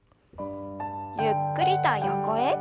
ゆっくりと横へ。